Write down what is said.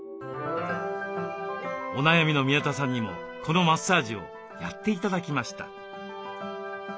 お悩みの宮田さんにもこのマッサージをやって頂きました。